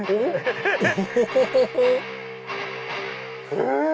へぇ！